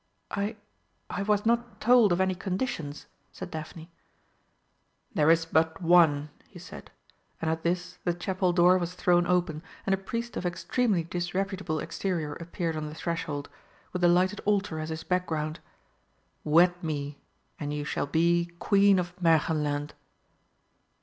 "I I was not told of any conditions," said Daphne. "There is but one," he said, and at this the Chapel door was thrown open and a priest of extremely disreputable exterior appeared on the threshold, with the lighted altar as his background. "Wed me and you shall be Queen of Märchenland."